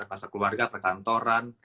kelasar keluarga perkantoran